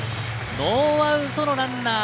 ノーアウトノーランナー。